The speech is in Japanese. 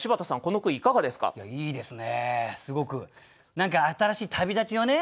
何か新しい旅立ちをね